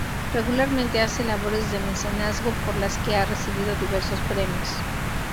Regularmente hace labores de mecenazgo, por las que ha recibido diversos premios.